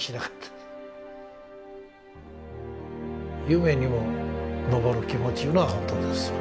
夢にも昇る気持ちいうのは本当ですわ。